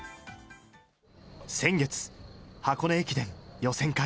先月、箱根駅伝予選会。